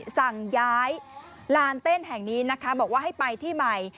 สั่งย้ายลานเต้นแห่งนี้นะคะบอกว่าให้ไปที่ใหม่